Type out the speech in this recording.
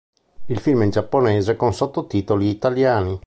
Il film è in giapponese con sottotitoli italiani.